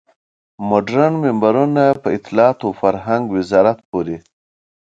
مډرن منبرونه په اطلاعاتو او فرهنګ وزارت پورې.